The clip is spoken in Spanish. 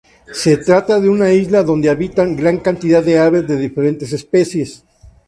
Se trata de una isla donde habitan gran cantidad de aves de diferentes especies.